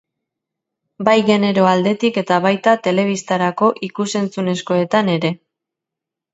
Bai genero aldetik eta baita telebistarako ikusentzunezkoetan ere.